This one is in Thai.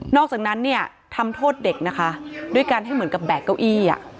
อกจากนั้นเนี่ยทำโทษเด็กนะคะด้วยการให้เหมือนกับแบกเก้าอี้